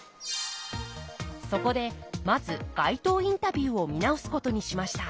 そこでまず街頭インタビューを見直すことにしました。